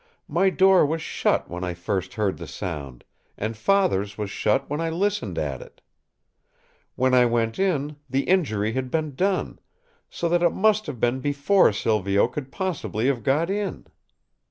My door was shut when I first heard the sound; and Father's was shut when I listened at it. When I went in, the injury had been done; so that it must have been before Silvio could possibly have got in."